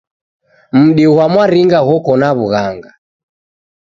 Mudi gha mwaringa ghoko na w'ughanga.